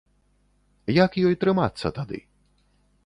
Як ёй трымацца тады?